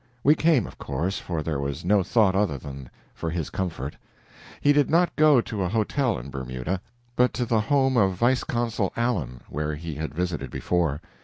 We came, of course, for there was no thought other than for his comfort. He did not go to a hotel in Bermuda, but to the home of Vice Consul Allen, where he had visited before.